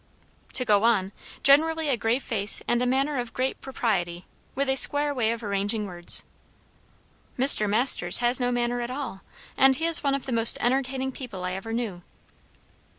"To go on, Generally a grave face and a manner of great propriety; with a square way of arranging words." "Mr. Masters has no manner at all; and he is one of the most entertaining people I ever knew."